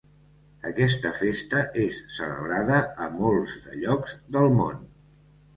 Aquesta festa és celebrada a molts de llocs del món.